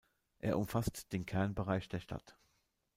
Er umfasst den Kernbereich der Stadt.